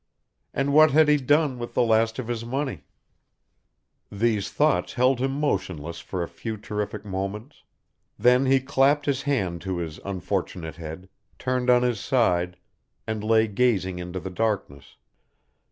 And what had he done with the last of his money? These thoughts held him motionless for a few terrific moments. Then he clapped his hand to his unfortunate head, turned on his side, and lay gazing into the darkness.